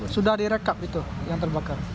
sudah direkap itu yang terbakar